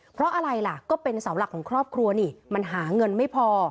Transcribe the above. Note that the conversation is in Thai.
เพราะอะไรล่ะก็เป็นเสาหลักของครอบครัวนี่มันหาเงินไม่พอ